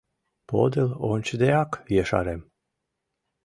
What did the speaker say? Подыл ончыдеак ешарем.